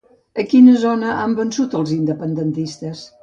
A quina zona han vençut els independentistes?